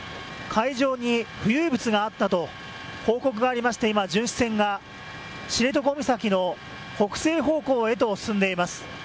海上に浮遊物があったと報告がありまして今、巡視船が知床岬の北西方向へ進んでいます。